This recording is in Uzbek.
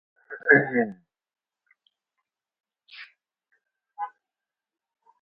• Uligan it tishlamaydi.